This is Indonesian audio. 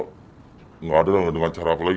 tidak ada dengan cara apa lagi